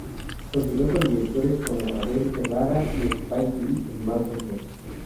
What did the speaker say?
Continuó con directores como Abel Ferrara y Spike Lee en "Malcolm X".